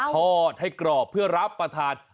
ทอดให้กรอบเพื่อรับประทาน